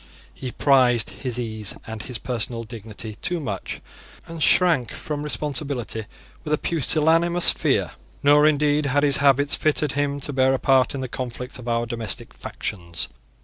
He prized his ease and his personal dignity too much, and shrank from responsibility with a pusillanimous fear. Nor indeed had his habits fitted him to bear a part in the conflicts of our domestic factions.